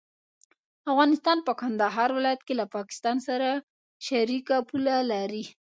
افغانستان په کندهار ولايت کې له پاکستان سره شریکه پوله لري.